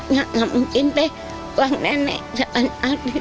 nggak mungkin deh uang nenek jangan ambil